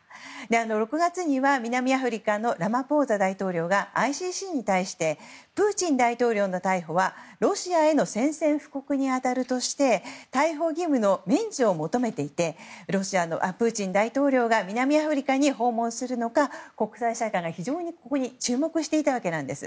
６月には南アフリカのラマポーザ大統領がＩＣＣに対してプーチン大統領の逮捕はロシアへの宣戦布告に当たるとして逮捕義務の免除を求めていてロシアのプーチン大統領が南アフリカに訪問するのか国際社会が非常に注目していたわけなんです。